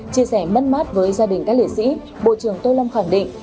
chia sẻ mất mát với gia đình các liệt sĩ bộ trưởng tô lâm khẳng định